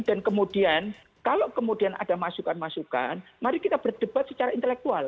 dan kemudian kalau kemudian ada masukan masukan mari kita berdebat secara intelektual